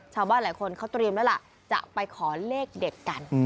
ชาวบ้านหลายคนเขาเตรียมแล้วล่ะจะไปขอเลขเด็ดกัน